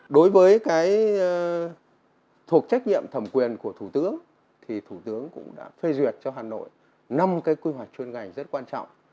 đối với thuộc trách nhiệm thẩm quyền của thủ tướng thủ tướng cũng đã thuê duyệt cho hà nội năm quy hoạch chuyên ngành rất quan trọng